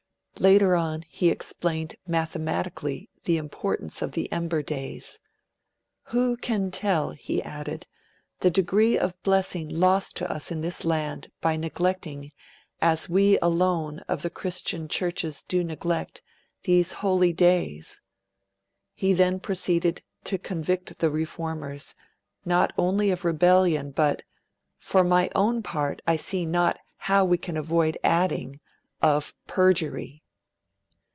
Later on he explained mathematically the importance of the Ember Days: 'Who can tell,' he added, 'the degree of blessing lost to us in this land by neglecting, as we alone of Christian Churches do neglect, these holy days?' He then proceeded to convict the Reformers, not only of rebellion, but' for my own part I see not how we can avoid adding of perjury.'